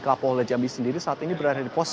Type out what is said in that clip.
kapolda jambi sendiri saat ini berada di pos